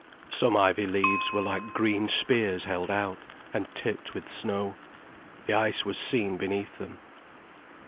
Some ivy leaves were like green spears held out, and tipped with snow. The ice was seen beneath them.